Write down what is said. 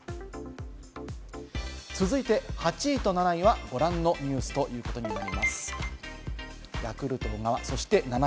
続いて、８位と７位はご覧のニュースとなっています。